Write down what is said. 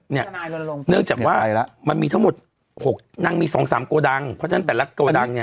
เนื่องจากว่ามันมีทั้งหมด๖นางมี๒๓โกดังเพราะฉะนั้นแต่ละโกดังเนี่ย